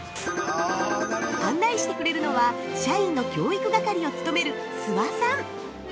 案内してくれるのは社員の教育係を務める諏訪さん。